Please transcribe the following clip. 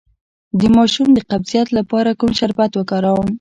د ماشوم د قبضیت لپاره کوم شربت وکاروم؟